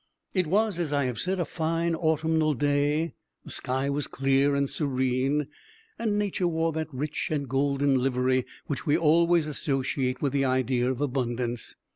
It was, as I have said, a fine autumnal day; the sky was clear and serene, and nature wore that rich and golden livery which we always associate with the idea of abundance.